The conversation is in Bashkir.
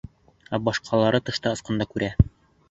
Ә башҡалары тышта осҡанда күрә.